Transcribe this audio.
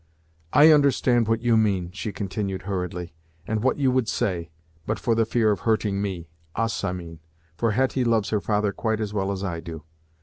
"I understand what you mean," she continued, hurriedly, "and what you would say, but for the fear of hurting me us, I mean; for Hetty loves her father quite as well as I do.